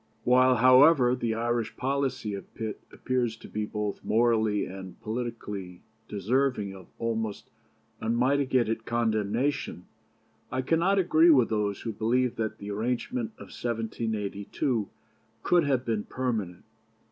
"While, however, the Irish policy of Pitt appears to be both morally and politically deserving of almost unmitigated condemnation, I cannot agree with those who believe that the arrangement of 1782 could have been permanent.